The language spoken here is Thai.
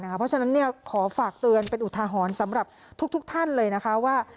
เพราะฉะนั้นขอฝากเตือนเป็นอุทาหรณ์สำหรับทุกท่านเลยนะคะว่า